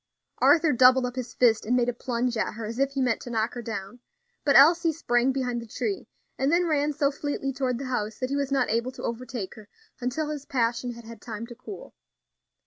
Arthur doubled up his fist, and made a plunge at her as if he meant to knock her down; but Elsie sprang behind the tree, and then ran so fleetly toward the house that he was not able to overtake her until his passion had had time to cool.